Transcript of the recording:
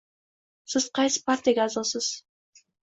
Siz qaysi partiyaga a'zosiz